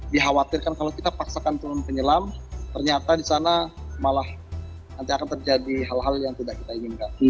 dikhawatirkan kalau kita paksakan turun penyelam ternyata di sana malah nanti akan terjadi hal hal yang tidak kita inginkan